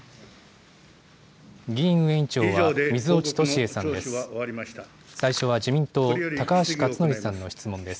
議院運営委員長は、水落敏栄さんです。